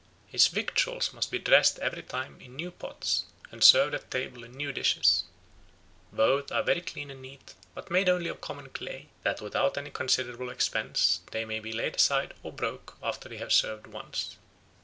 His victuals must be dressed every time in new pots, and served at table in new dishes: both are very clean and neat, but made only of common clay; that without any considerable expense they may be laid aside, or broke, after they have served once.